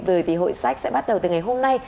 vì hội sách sẽ bắt đầu từ ngày hôm nay